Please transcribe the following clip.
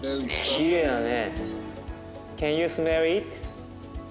きれいだね。